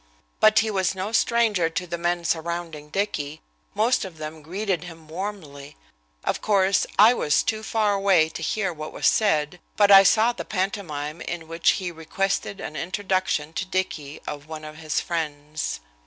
But he was no stranger to the men surrounding Dicky. Most of them greeted him warmly. Of course, I was too far away to hear what was said, but I saw the pantomime in which he requested an introduction to Dicky of one of his friends!